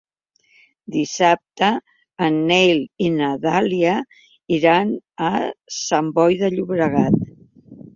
Dissabte en Nel i na Dàlia iran a Sant Boi de Llobregat.